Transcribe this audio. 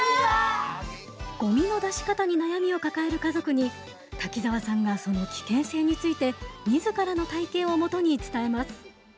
ごみの出し方に悩みを抱える家族に滝沢さんがその危険性について自らの体験を基に伝えます。